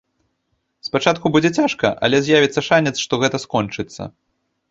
Спачатку будзе цяжка, але з'явіцца шанец, што гэта скончыцца.